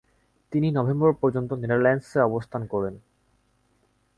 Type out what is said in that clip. তিনি নভেম্বর পর্যন্ত নেদারল্যান্ডসে অবস্থান করেন।